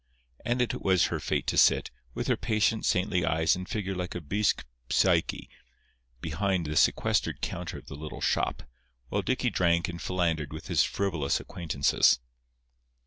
And it was her fate to sit, with her patient, saintly eyes and figure like a bisque Psyche, behind the sequestered counter of the little shop, while Dicky drank and philandered with his frivolous acquaintances.